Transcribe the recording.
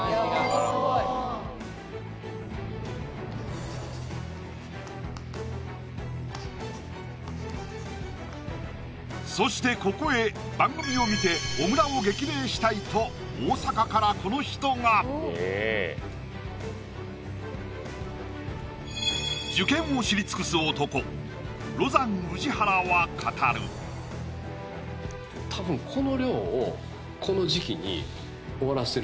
これそしてここへ番組を見て「小倉を激励したい」と大阪からこの人が受験を知り尽くす男「ロザン」・宇治原は語る多分うわ！